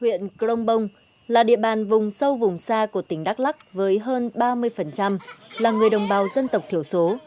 huyện crong bông là địa bàn vùng sâu vùng xa của tỉnh đắk lắc với hơn ba mươi là người đồng bào dân tộc thiểu số